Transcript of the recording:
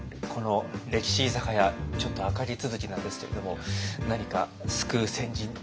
この歴史居酒屋ちょっと赤字続きなんですけれども何か救う先人。